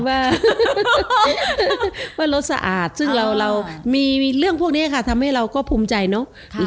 ว่ารถสะอาดซึ่งเรามีเรื่องพวกนี้ค่ะทำให้เราก็ภูมิใจเนอะ